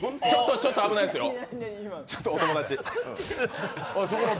ちょっと危ないですよ、お友達。